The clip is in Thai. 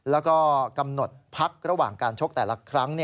แล้วก็กำหนดพักระหว่างการชกแต่ละครั้ง